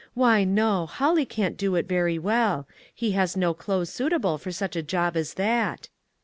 Why, no; Holly can't do it very well. He has no clothes suitable for such a job as that."